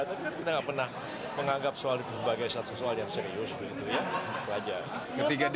tapi kan kita nggak pernah menganggap soal itu sebagai satu soal yang serius begitu ya